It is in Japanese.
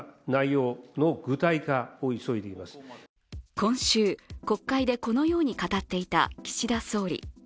今週、国会でこのように語っていた岸田総理。